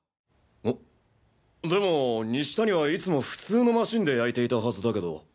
んでも西谷はいつも普通のマシンで焼いていたはずだけど。